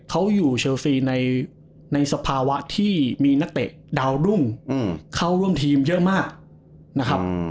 เขาอยู่เชลซีในสภาวะที่มีนักเตะดาวรุ่งเข้าร่วมทีมเยอะมากนะครับ